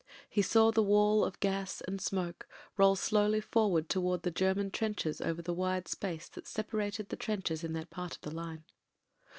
He saw the wall of gas and smoke roll slowly forward towards the German trenches over the wide space that separated the trenches in that part of the line.